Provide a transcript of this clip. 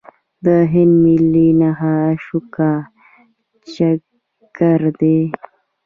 د هند ملي نښه اشوکا چکر دی.